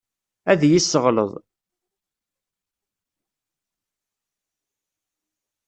Ad iyi-yesseɣleḍ.